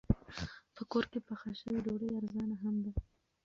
په کور کې پخه شوې ډوډۍ ارزانه هم ده.